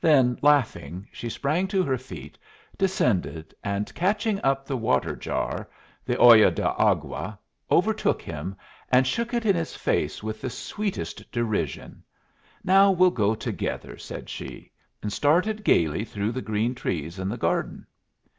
Then, laughing, she sprang to her feet, descended, and, catching up the water jar (the olla de agua), overtook him, and shook it in his face with the sweetest derision. "Now we'll go together," said she, and started gayly through the green trees and the garden.